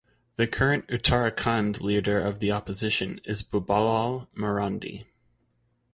The current Uttarakhand Leader of the Opposition is Babulal Marandi.